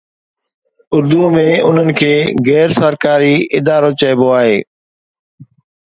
اردوءَ ۾ انهن کي غير سرڪاري ادارو چئبو آهي.